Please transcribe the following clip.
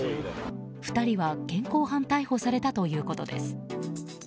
２人は現行犯逮捕されたということです。